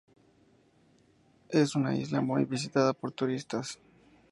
Es una isla muy visitada por turistas.